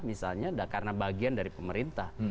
misalnya karena bagian dari pemerintah